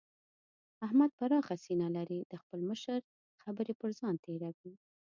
احمد پراخه سينه لري؛ د خپل مشر خبرې پر ځان تېروي.